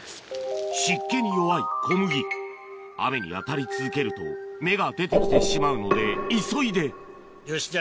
湿気に弱い小麦雨に当たり続けると芽が出て来てしまうので急いでよしじゃあ。